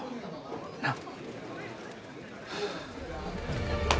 なっ？